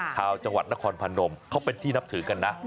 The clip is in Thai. ชาวจังหวัดนครพนมเขาเป็นที่นับถือกันนะ